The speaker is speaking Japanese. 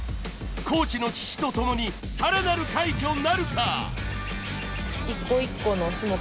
コーチの父とともに更なる快挙なるか。